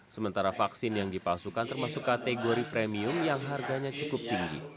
sementara vaksin yang dipalsukan termasuk kategori premium yang harganya cukup tinggi